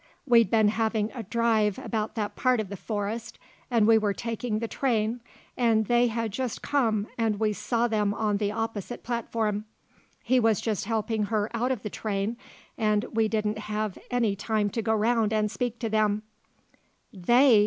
We'd been having a drive about that part of the forest and we were taking the train and they had just come and we saw them on the opposite platform. He was just helping her out of the train and we didn't have any time to go round and speak to them " "They!"